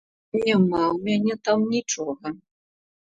Няма ў мяне там нічога.